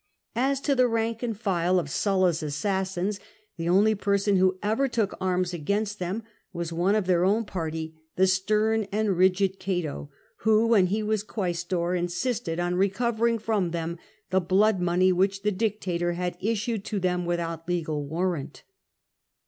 As to the rank and file of Sulla's assassins, the only person who ever took arms against them was one of their own party, the stern and rigid Cato, who, when he was quaestor, insisted on recovering from them the blood money which the dictator had issued to them without legal warrant.